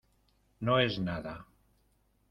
no es nada.